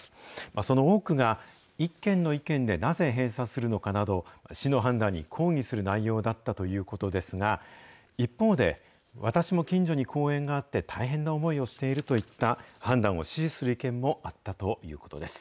その多くが、一軒の意見でなぜ閉鎖するのかなど、市の判断に抗議する内容だったということですが、一方で、私も近所に公園があって大変な思いをしているといった、判断を支持する意見もあったということです。